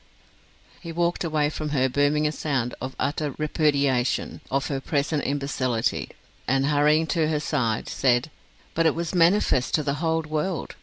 he walked away from her booming a sound of utter repudiation of her present imbecility, and hurrying to her side, said: "But it was manifest to the whole world!